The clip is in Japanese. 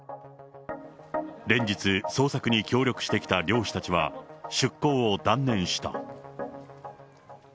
連日、捜索に協力してきた漁師たちは、出港を断念した。